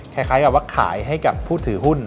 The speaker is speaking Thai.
คล้ายกับว่าขายให้กับผู้ถือหุ้น